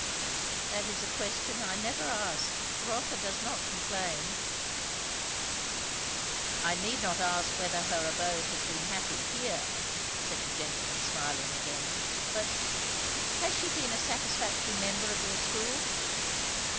"That is a question I never ask. Rotha does not complain." "I need not ask whether her abode has been happy here," said the gentleman smiling again; "but, has she been a satisfactory member of your school?"